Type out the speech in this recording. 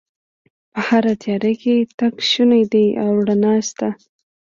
په هره تیاره کې تګ شونی دی او رڼا شته